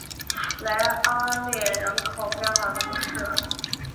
莱阿列人口变化图示